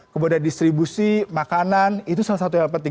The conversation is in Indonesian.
kemudian distribusi makanan itu salah satu yang penting